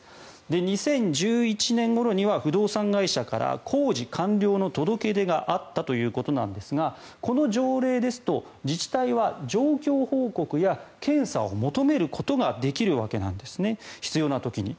２０１１年ごろには不動産会社から工事完了の届け出があったということなんですがこの条例ですと自治体は状況報告や検査を求めることができるわけなんですね必要な時に。